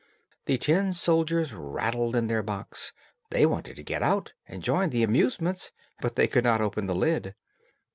The tin soldiers rattled in their box; they wanted to get out and join the amusements, but they could not open the lid.